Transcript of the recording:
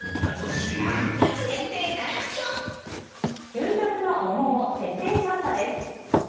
究極の桃を徹底調査です。